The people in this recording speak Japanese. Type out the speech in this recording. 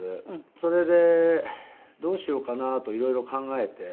それでどうしようかな？といろいろ考えて。